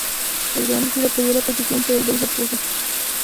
El gran visir apoyó la petición pero el bey se opuso.